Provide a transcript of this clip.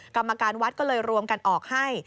กรรมการวัดก็เลยรวมกันออกให้